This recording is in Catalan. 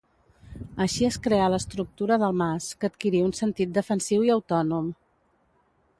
Així es creà l'estructura del mas, que adquirí un sentit defensiu i autònom.